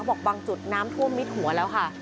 บอกบางจุดน้ำท่วมมิดหัวแล้วค่ะ